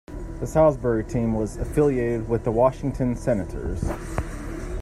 The Salisbury team was affiliated with the Washington Senators.